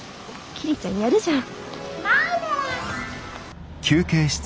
桐ちゃんやるじゃん。